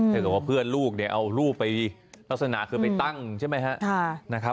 เฉพาะเพื่อนลูกเนี่ยเอารูปไปลักษณะคือไปตั้งใช่ไหมฮะ